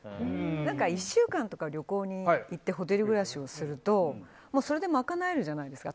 １週間とか旅行に行ってホテル暮らしするとそれで賄えるじゃないですか。